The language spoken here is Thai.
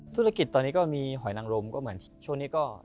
ธุรกิจตอนนี้ก็มีหอยนังลมก็เหมือนช่วงนี้ก็